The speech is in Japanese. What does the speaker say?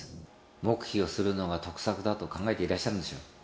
「黙秘をするのが得策だと考えていらっしゃるんでしょう」